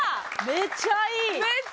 めっちゃいい！